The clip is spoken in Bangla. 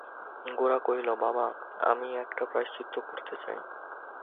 গোরা কহিল, বাবা, আমি একটা প্রায়শ্চিত্ত করতে চাই।